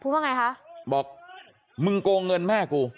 ว่าไงคะบอกมึงโกงเงินแม่กู